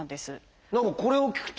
何かこれを聞くと。